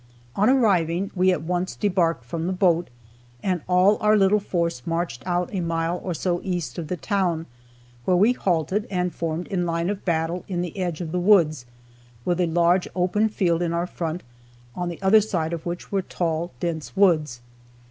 On arriving we at once debarked from the boat, and all our little force marched out a mile or so east of the town, where we halted, and formed in line of battle in the edge of the woods, with a large open field in our front, on the other side of which were tall, dense woods.